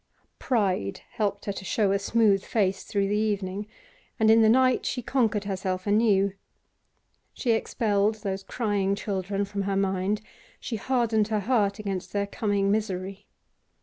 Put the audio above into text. Pride helped her to show a smooth face through the evening, and in the night she conquered herself anew. She expelled those crying children from her mind; she hardened her heart against their coming misery.